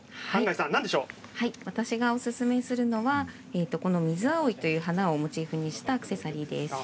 私がおすすめするのはミズアオイという花をモチーフにしたアクセサリーです。